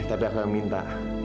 tapi aku yang minta